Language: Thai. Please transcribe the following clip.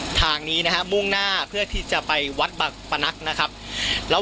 ระหว่างทางที่จะถึงวัดบัปนักเนี่ยนะครับ